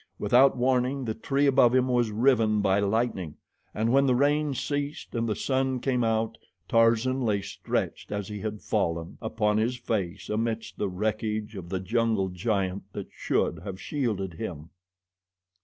Without warning the tree above him was riven by lightning, and when the rain ceased and the sun came out Tarzan lay stretched as he had fallen, upon his face amidst the wreckage of the jungle giant that should have shielded him.